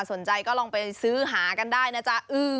สนใจก็ลองไปซื้อหากันได้นะจ๊ะ